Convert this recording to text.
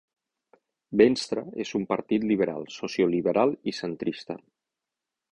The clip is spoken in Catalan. Venstre és un partit liberal, social-liberal i centrista.